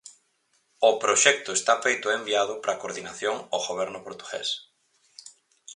O proxecto está feito e enviado para coordinación ao Goberno portugués.